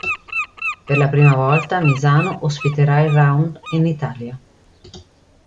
Per la prima volta, Misano ospiterà il round in Italia.